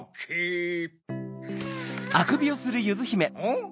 ん？